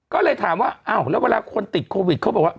ก็เลยถามว่าอ้าวแล้วเวลาคนติดโควิดเขาบอกว่า